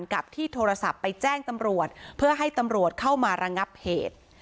กับที่โทรศัพท์ไปแจ้งตำรวจเพื่อให้ตำรวจเข้ามาระงับเหตุ